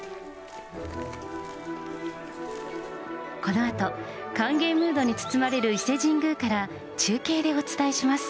このあと、歓迎ムードに包まれる伊勢神宮から、中継でお伝えします。